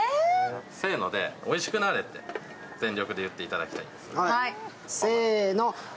せーのでおいしくなれと全力で言っていただきたい。